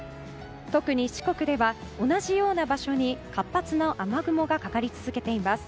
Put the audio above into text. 特に四国では同じような場所に活発な雨雲がかかり続けています。